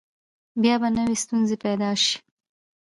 بیا به نوي ستونزې پیدا شي.